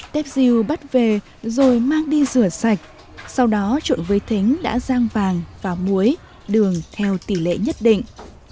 tép diêu bắt về rồi mang đi rửa sạch sau đó trộn với thính đã rang vàng và muối đường theo tỷ lệ nhất định